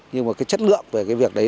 nhưng mà cái chất lượng về cái việc đấy